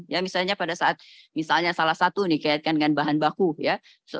ya misalnya pada saat misalnya salah satu nih kayak kan dengan bahan baku ya